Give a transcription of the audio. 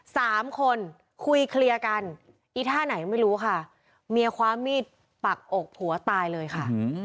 สามคนคุยเคลียร์กันอีท่าไหนไม่รู้ค่ะเมียคว้ามีดปักอกผัวตายเลยค่ะ